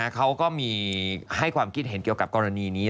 เขาก็มีให้ความคิดเห็นเกี่ยวกับกรณีนี้